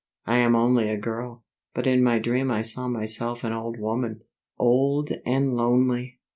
I am only a girl; but in my dream I saw myself an old woman, old and lonely!